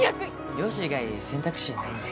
漁師以外選択肢ないんで。